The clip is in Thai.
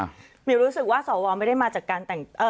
หมิวรู้สึกว่าสวไม่ได้มาจากการแต่ง